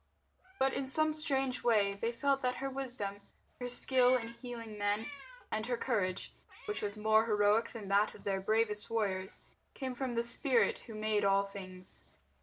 But in some strange way they felt that her wisdom, her skill in healing men, and her courage, which was more heroic than that of their bravest warriors, came from the Spirit who made all things.